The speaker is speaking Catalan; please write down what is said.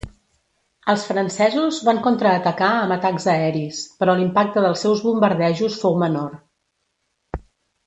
Els francesos van contraatacar amb atacs aeris, però l'impacte dels seus bombardejos fou menor.